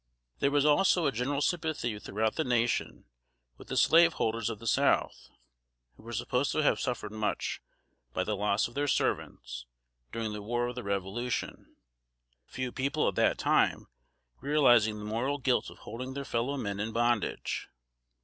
There was also a general sympathy throughout the nation with the slaveholders of the South, who were supposed to have suffered much, by the loss of their servants, during the war of the Revolution; few people at that time realizing the moral guilt of holding their fellow men in bondage.